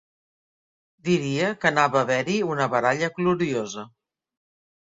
Diria que anava a haver-hi una baralla gloriosa.